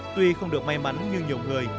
tuy không được may mắn như nhiều người